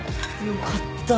よかった。